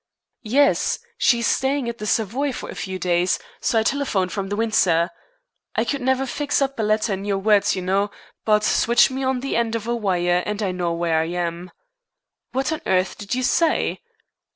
"Yes; she's staying at the Savoy for a few days, so I telephoned from the Windsor. I could never fix up a letter in your words, you know. But switch me on the end of a wire and I know where I am." "What on earth did you say?"